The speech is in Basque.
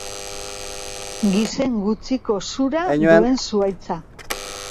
Gizen gutxiko zura duen zuhaitza.